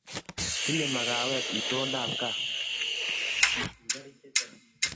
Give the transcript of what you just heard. Tinye makawet itondo ab kaa